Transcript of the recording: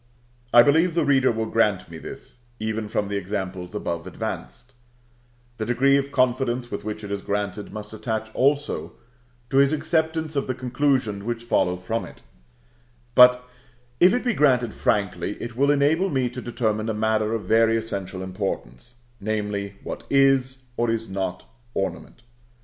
I believe the reader will grant me this, even from the examples above advanced; the degree of confidence with which it is granted must attach also to his acceptance of the conclusions which will follow from it; but if it be granted frankly, it will enable me to determine a matter of very essential importance, namely, what is or is not ornament.